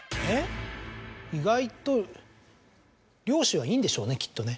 意外と漁師はいいんでしょうねきっとね。